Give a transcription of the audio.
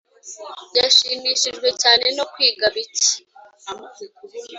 yashimishijwe cyane no kwiga bike